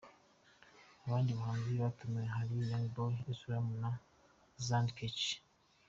Abandi bahanzi batumiwe hari; Young Boy, Islam na Zandkech.